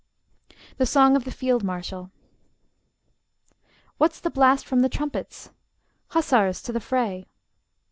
THE SONG OF THE FIELD MARSHAL What's the blast from the trumpets? Hussars, to the fray!